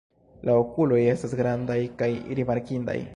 La okuloj estas grandaj kaj rimarkindaj.